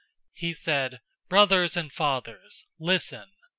007:002 He said, "Brothers and fathers, listen.